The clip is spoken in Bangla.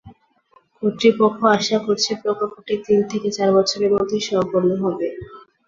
কর্তৃপক্ষ আশা করছে প্রকল্পটি তিন থেকে চার বছরের মধ্যে সম্পন্ন হবে।